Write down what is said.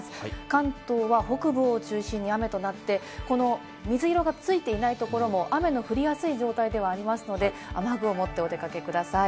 関東は北部を中心に雨となって、この水色がついていないところも雨の降りやすい状態ではありますので、雨具を持ってお出かけください。